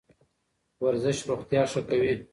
ورزش روغتیا ښه کوي.